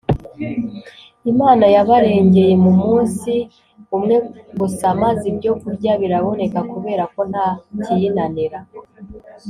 Imana yabarengeye mu munsi umwe gusa maze ibyo kurya biraboneka kubera ko nta kiyinanira